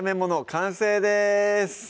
完成です